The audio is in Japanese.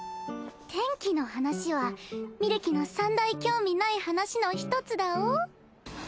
天気の話はみるきの三大興味ない話の一つだお。